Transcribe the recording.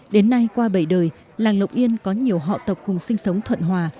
đến nay qua bảy đời làng lộc yên có nhiều họ tộc cùng sinh sống thuận hòa